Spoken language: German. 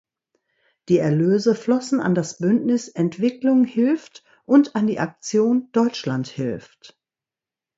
Die Erlöse flossen an das Bündnis Entwicklung Hilft und an die Aktion Deutschland Hilft.